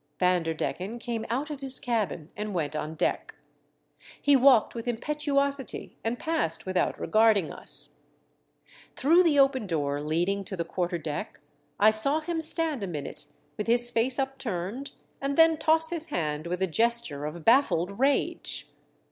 Vanderdecken came out of his cabin and went on deck. He walked with impetuosity and passed without regarding us. Through the open door leading to the quarter deck I saw him stand a minute with his face up turned and then toss his hand with a gesture of baffled rage.